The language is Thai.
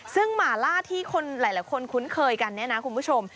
ซึ่งหมาล่าที่คนหลายคนคุ้นเคยกันเนี่ยนะคุณผู้ชม